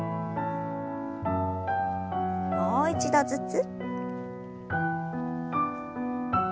もう一度ずつ。